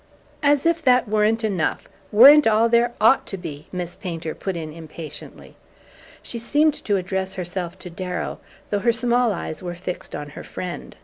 "As if that weren't enough weren't all there OUGHT to be!" Miss Painter put in impatiently. She seemed to address herself to Darrow, though her small eyes were fixed on her friend.